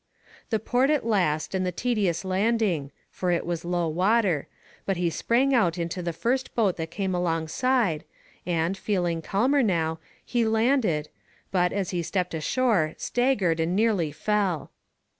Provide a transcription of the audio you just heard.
The port at last and the tedious landing, for it was low water, but he sprang down into the first boat that came alongside, and feeling calmer now, he landed, but, as he stepped ashore, staggered and nearly fell.